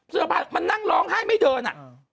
เสื้อผ้ามันนั่งร้องไห้ไม่เดินอ่ะ